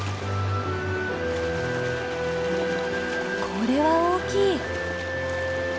これは大きい！